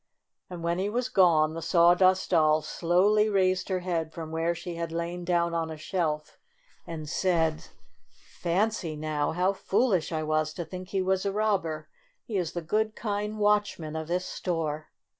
And when he was gone the Sawdust Doll slowly raised her head from where she had lain down on a shelf and said : "Fancy now! How foolish I was to think he was a robber! He is the good, kind watchman of this store."